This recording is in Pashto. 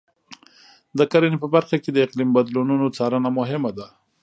د کرنې په برخه کې د اقلیم بدلونونو څارنه مهمه ده.